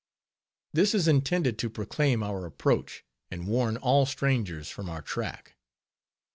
This is intended to proclaim our approach, and warn all strangers from our track.